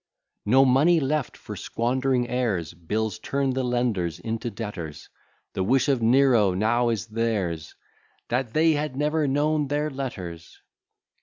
No money left for squandering heirs! Bills turn the lenders into debtors: The wish of Nero now is theirs, "That they had never known their letters."